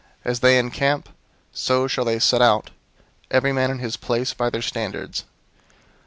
As they encamp, so shall they set out, every man in his place, by their standards.